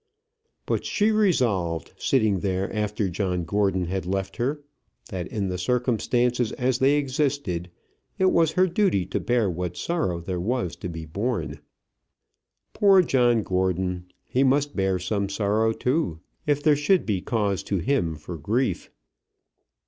But she resolved, sitting there after John Gordon had left her, that in the circumstances as they existed, it was her duty to bear what sorrow there was to be borne. Poor John Gordon! He must bear some sorrow too, if there should be cause to him for grief.